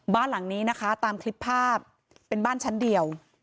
บ้านหลังนี้นะคะตามคลิปภาพเป็นบ้านชั้นเดียว